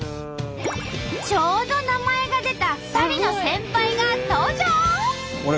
ちょうど名前が出た２人の先輩が登場。